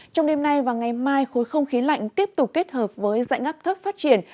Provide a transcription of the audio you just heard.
trong đêm nay và ngày mai khối không khí lạnh tiếp tục kết hợp với dạnh áp thấp phát triển